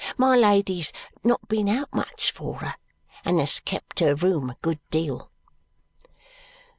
My Lady has not been out much, for her, and has kept her room a good deal."